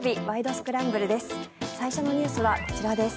スクランブル」です。